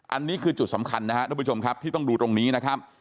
อันนี้คือจุดสำคัญนะครับทุกผู้ชมครับที่ต้องดูตรงนี้นะครับ